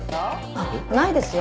あっないですよ。